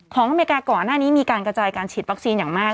อเมริกาก่อนหน้านี้มีการกระจายการฉีดวัคซีนอย่างมาก